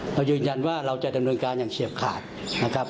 เรายืนยันว่าเราจะดำเนินการอย่างเฉียบขาดนะครับ